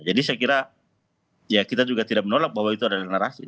jadi saya kira ya kita juga tidak menolak bahwa itu adalah narasi